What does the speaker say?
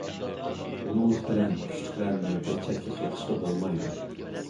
بۇنىڭلىق بىلەن كۈچلۈكلەرنى بىر چەتكە قېقىشقا بولمايدۇ.